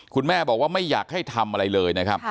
คุณแม่บอกว่าไม่อยากให้ทำอะไรเลยนะครับ